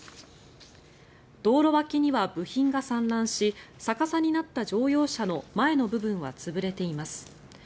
道路脇には部品が散乱し逆さになった乗用車の前の部分は潰れています。